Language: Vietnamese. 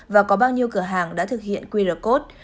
và có bao nhiêu cửa hàng đã thực hiện qr code